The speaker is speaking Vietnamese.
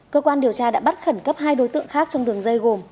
cơ quan điều tra đã bắt khẩn cấp hai đối tượng khác trong đường dây gồm